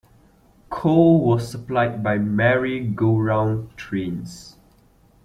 Coal was supplied by Merry-go-round trains.